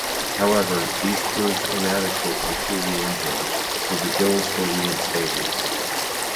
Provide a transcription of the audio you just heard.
However, these proved inadequate to cool the engine, so the gills were reinstated.